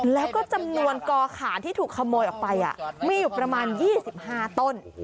แล้วก็จำนวนกอขานที่ถูกขโมยออกไปมีอยู่ประมาณ๒๕ต้น